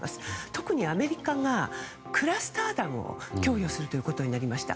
特にアメリカがクラスター弾を供与するということになりました。